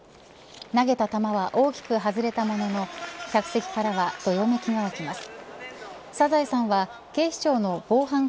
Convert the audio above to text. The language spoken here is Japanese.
投げた球は大きく外れたものの客席からはどよめきが起きます。